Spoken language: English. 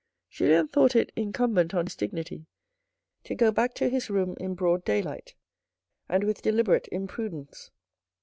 Julien thought it incumbent on his dignity to go back to his room in broad daylight and with deliberate imprudence.